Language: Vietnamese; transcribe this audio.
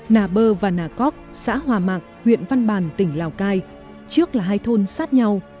nà bơ và nà cóc xã hòa mạc huyện văn bàn tỉnh lào cai trước là hai thôn sát nhau